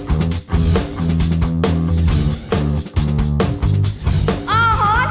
โอ้โหไทยแลนด์